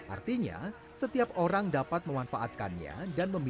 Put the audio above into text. artinya setiap orang dapat mewansangkan ruang ruang yang ada di jakarta